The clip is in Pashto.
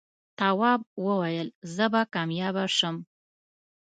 تواب وويل: زه به کامیابه شم.